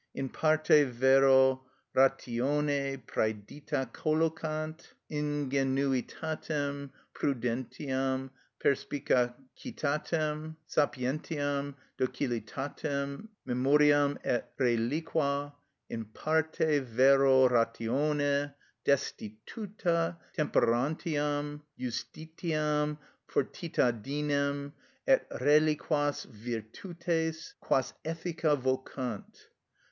In parte vero ratione prædita collocant ingenuitatem, prudentiam, perspicacitatem, sapientiam, docilitatem, memoriam et reliqua; in parte vero ratione destituta temperantiam, justitiam, fortitadinem, et reliquas virtutes, quas ethicas vocant.